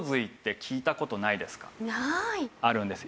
あるんですよ。